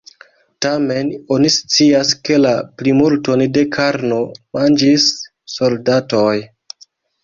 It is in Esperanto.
Tamen, oni scias, ke la plimulton de karno manĝis soldatoj.